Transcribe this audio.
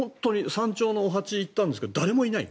山頂のお鉢に行ったんですが誰もいない。